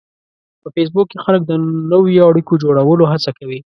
په فېسبوک کې خلک د نوو اړیکو جوړولو هڅه کوي